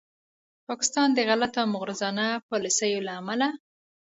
پاکستان د غلطو او مغرضانه پالیسیو له امله